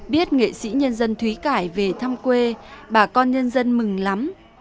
biết nghệ sĩ nhân dân thúy cải về thăm quê bà con nhân dân mừng lắm